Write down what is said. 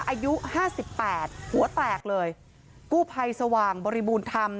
อายุห้าสิบแปดหัวแตกเลยกู้ภัยสว่างบริบูรณธรรม